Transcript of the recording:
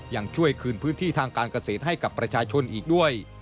ยังช่วยคืนพื้นที่ทางการเกษตรให้กับประชาชนอีกด้วย